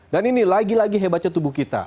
dan ini lagi lagi hebatnya tubuh kita